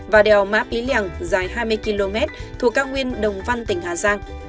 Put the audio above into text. và đèo máp ý lèng dài hai mươi km thuộc cao nguyên đồng văn tỉnh hà giang